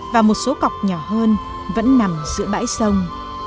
và một số cọc nhỏ hơn vẫn nằm giữa bãi sông